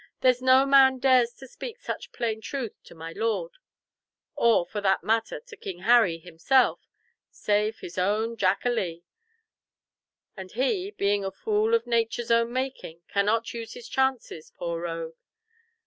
"There's no man dares to speak such plain truth to my lord—or for that matter to King Harry himself, save his own Jack a Lee—and he, being a fool of nature's own making, cannot use his chances, poor rogue!